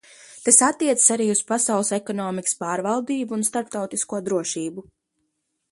Tas attiecas arī uz pasaules ekonomikas pārvaldību un starptautisko drošību.